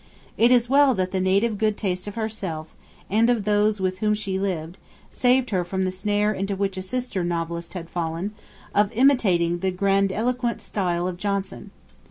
It is well that the native good taste of herself and of those with whom she lived, saved her from the snare into which a sister novelist had fallen, of imitating the grandiloquent style of Johnson.